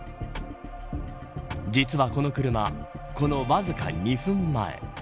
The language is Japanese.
実は、この車このわずか２分前。